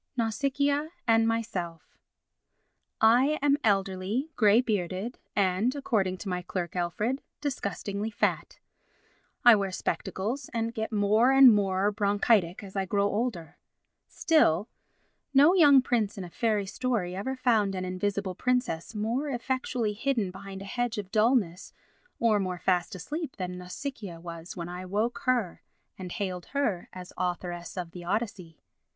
Nausicaa and Myself I am elderly, grey bearded and, according to my clerk, Alfred, disgustingly fat; I wear spectacles and get more and more bronchitic as I grow older. Still no young prince in a fairy story ever found an invisible princess more effectually hidden behind a hedge of dullness or more fast asleep than Nausicaa was when I woke her and hailed her as Authoress of the Odyssey.